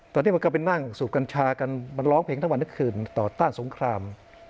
ตอนนี้มันก็ไปนั่งสูบกัญชากันมันร้องเพลงทั้งวันทั้งคืนต่อต้านสงคราม